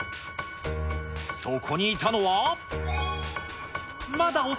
そこにいたのは。